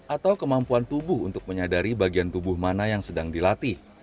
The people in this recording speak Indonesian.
atau kemampuan tubuh untuk menyadari bagian tubuh mana yang sedang dilatih